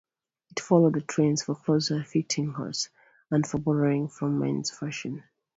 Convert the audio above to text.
It followed the trends for closer fitting hats and for borrowing from men's fashion.